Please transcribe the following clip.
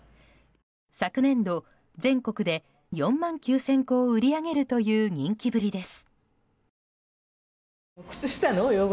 昨年度、全国で４万９０００個を売り上げるという人気ぶりです。